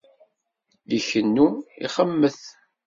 Ikennu, ixemmet.